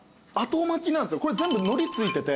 これ全部海苔ついてて。